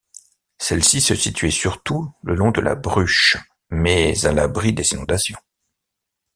Celle-ci se situait surtout le long de la Bruche, mais à l’abri des inondations.